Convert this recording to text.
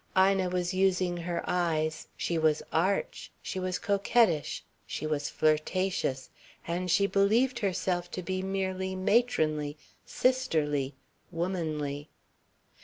Ina was using her eyes, she was arch, she was coquettish, she was flirtatious, and she believed herself to be merely matronly, sisterly, womanly